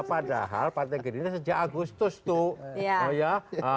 padahal partai gerindra sejak agustus tuh ya